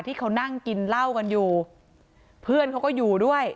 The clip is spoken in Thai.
ที่เขานั่งกินเหล้ากันอยู่เพื่อนเขาก็อยู่ด้วย